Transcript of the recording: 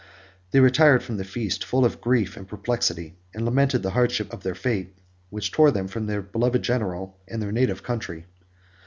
They retired from the feast, full of grief and perplexity; and lamented the hardship of their fate, which tore them from their beloved general and their native country.